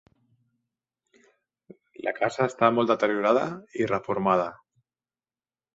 La casa està molt deteriorada i reformada.